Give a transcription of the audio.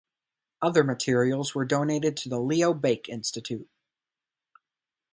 Other materials were donated to the Leo Baeck Institute.